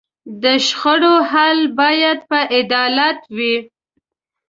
د شخړو حل باید په عدالت وي.